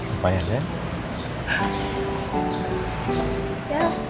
bapak ya nek